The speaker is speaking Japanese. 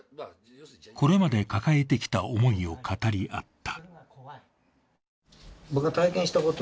これまで抱えてきた思いを語り合った。